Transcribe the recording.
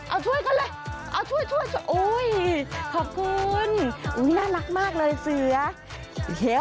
เอาช่วยกันเลยเอาช่วยโอ้ยขอบคุณน่ารักมากเลยเสือ